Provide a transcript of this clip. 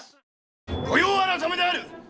「御用改めである！」。